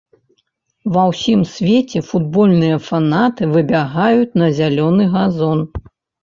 Ва ўсім свеце футбольныя фанаты выбягаюць на зялёны газон.